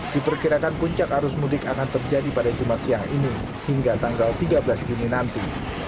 diperkirakan puncak arus mudik akan terjadi pada jumat siang ini hingga tanggal tiga belas juni nanti